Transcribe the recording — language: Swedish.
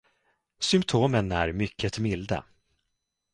Symptomen är mycket milda.